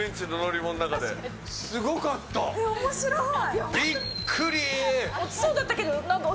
面白い。